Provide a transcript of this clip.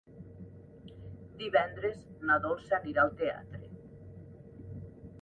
Divendres na Dolça anirà al teatre.